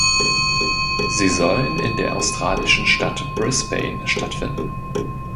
Sie sollen in der australischen Stadt Brisbane stattfinden.